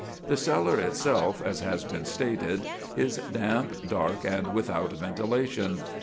The cellar itself, as has been stated, is damp, dark, and without ventilation.